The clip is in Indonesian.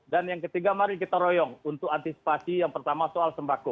dan yang ketiga mari kita royong untuk antisipasi yang pertama soal sembako